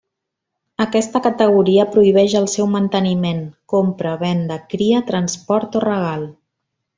Aquesta categoria prohibeix el seu manteniment, compra, venda, cria, transport o regal.